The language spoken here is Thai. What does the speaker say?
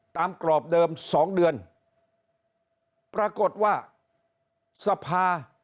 กรอบเดิมสองเดือนปรากฏว่าสภา